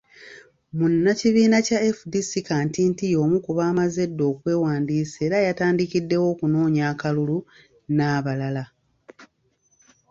Munnakibiina kya FDC, Kantinti y'omu ku baamaze edda okwewandiisa era yatandikiddewo okunoonya akalulu, n'abalala.